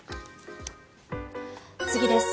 次です。